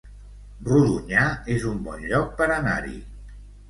Rodonyà es un bon lloc per anar-hi